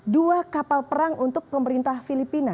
dua kapal perang untuk pemerintah filipina